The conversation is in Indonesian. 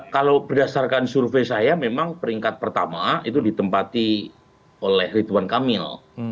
kalau berdasarkan survei saya memang peringkat pertama itu ditempati oleh ridwan kamil